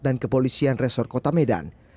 dan kepolisian resor kota medan